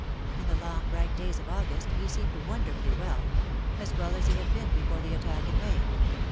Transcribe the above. In the long bright days of August he seemed won derfully well — as well as he had been before the attack in May.